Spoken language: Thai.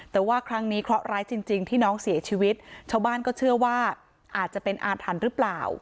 แต่ว่าครั้งนี้เคราะห์ร้ายจริงที่น้องเสียชีวิตชาวบ้านก็เชื่อว่าอาจจะเป็นอาถรรพ์หรือเปล่า